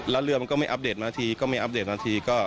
แล้วเรือมันก็ไม่อัปเดตมาที